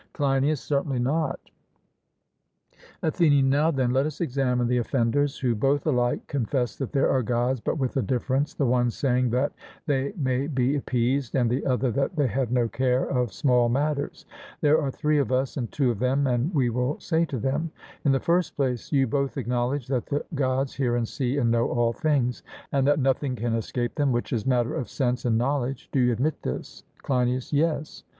CLEINIAS: Certainly not. ATHENIAN: Now, then, let us examine the offenders, who both alike confess that there are Gods, but with a difference the one saying that they may be appeased, and the other that they have no care of small matters: there are three of us and two of them, and we will say to them In the first place, you both acknowledge that the Gods hear and see and know all things, and that nothing can escape them which is matter of sense and knowledge: do you admit this? CLEINIAS: Yes.